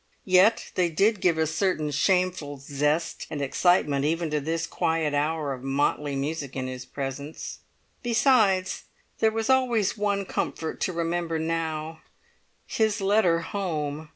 Yet they did give a certain shameful zest and excitement even to this quiet hour of motley music in his presence. Besides, there was always one comfort to remember now: his letter home.